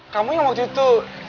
kamu yang waktu itu